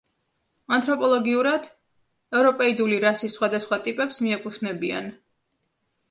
ანთროპოლოგიურად ევროპეიდული რასის სხვადასხვა ტიპებს მიეკუთვნებიან.